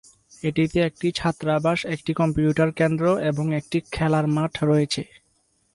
এটিতে একটি ছাত্রাবাস, একটি কম্পিউটার কেন্দ্র এবং একটি খেলার মাঠ রয়েছে।